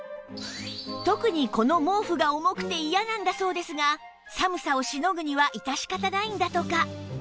特にこの毛布が重くて嫌なんだそうですが寒さをしのぐには致し方ないんだとか